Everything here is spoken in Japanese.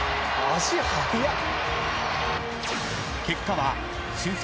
［結果は］